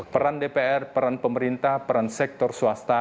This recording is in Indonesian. peran dpr peran pemerintah peran sektor swasta